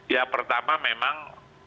ya pertama memang